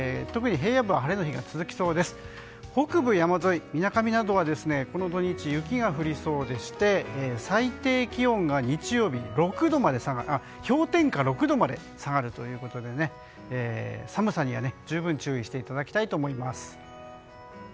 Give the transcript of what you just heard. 北部の山沿い、みなかみなどはこの土日、雪が降りそうでして最低気温が日曜日に氷点下６度まで下がるということで寒さには十分注意していただきたいと思います。